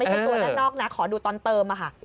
จากตัวด้านนอกนะขอดูตอนเติมค่ะ